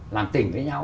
làm tình với nhau